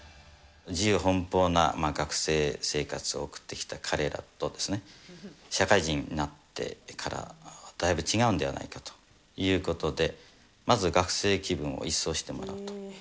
自由奔放な学生生活を送ってきた彼らと社会人になってから、だいぶ違うんではないかということで、まず学生気分を一掃してもらうと。